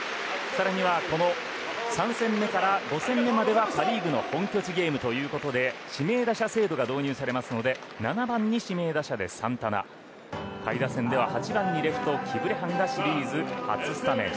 さらにはこの３戦目から５戦目まではパ・リーグの本拠地ゲームということで指名打者制度が導入されますので７番に指名打者でサンタナ下位打線が８番にレフトキブレハンがシリーズ初スタメン。